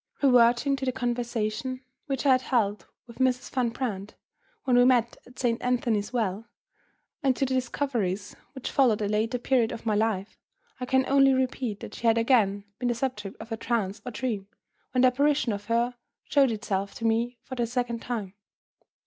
Reverting to the conversation which I had held with Mrs. Van Brandt when we met at Saint Anthony's Well, and to the discoveries which followed at a later period of my life, I can only repeat that she had again been the subject of a trance or dream, when the apparition of her showed itself to me for the second time.